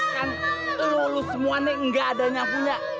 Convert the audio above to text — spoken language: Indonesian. kan lo semua nih gak ada yang punya